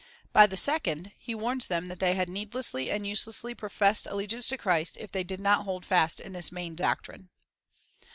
By the second, he warns them that they had needlessly and uselessly professed allegiance to Christ, if they did not hold fast this main doctrine.